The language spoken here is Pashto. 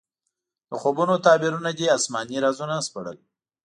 د خوبونو تعبیرونه دې اسماني رازونه سپړل.